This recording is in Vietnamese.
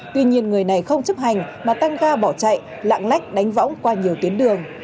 tuy nhiên người này không chấp hành mà tăng ga bỏ chạy lạng lách đánh võng qua nhiều tuyến đường